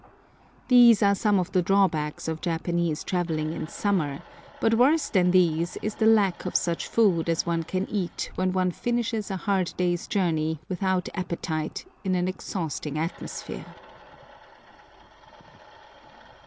These are some of the drawbacks of Japanese travelling in summer, but worse than these is the lack of such food as one can eat when one finishes a hard day's journey without appetite, in an exhausting atmosphere.